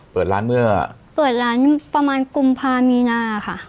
เปิดร้านเมื่อเปิดร้านประมาณกุมภามีนาค่ะ